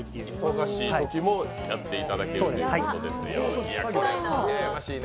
忙しいときもやっていただけるということですよ、うらやましいね。